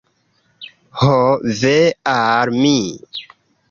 Ho ve al mi!